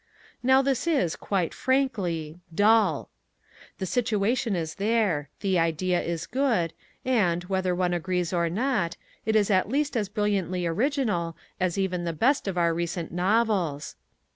Now this is, quite frankly, dull. The situation is there; the idea is good, and, whether one agrees or not, is at least as brilliantly original as even the best of our recent novels.